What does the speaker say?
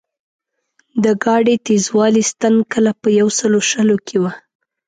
د ګاډۍ تېزوالي ستن کله په یو سلو شلو کې وه.